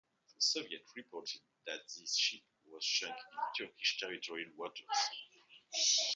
The Soviets reported that this ship was sunk in Turkish territorial waters.